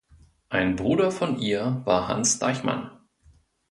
Ein Bruder von ihr war Hans Deichmann.